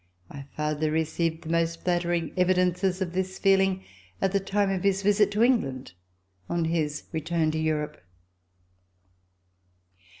My father received the most flattering evidences of this feeling at the time of his visit to England on his return to Europe.